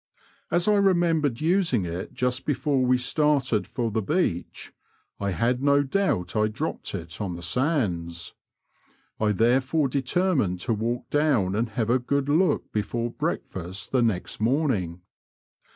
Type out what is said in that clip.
As I remembered using it just before we started for the beach, I had no doubt I dropped it on the sands. I therefore determined to walk down and have a good look before breakfast the next morning.